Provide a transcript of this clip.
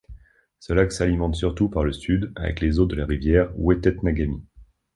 Ce lac s’alimente surtout par le Sud avec les eaux de la rivière Wetetnagami.